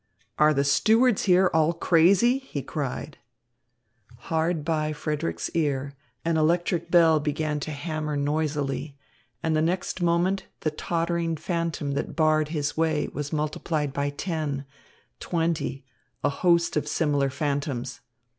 "Are the stewards here all crazy?" he cried. Hard by Frederick's ear an electric bell began to hammer noisily, and the next moment the tottering phantom that barred his way was multiplied by ten, twenty, a host of similar phantoms.